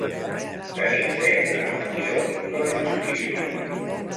Tenir fe en el triomf de la justícia.